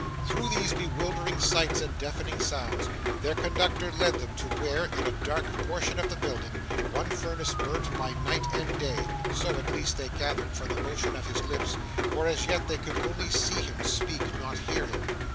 Through these bewildering sights and deafening sounds, their conductor led them to where, in a dark portion of the building, one furnace burnt by night and day so, at least, they gathered from the motion of his lips, for as yet they could only see him speak: not hear him.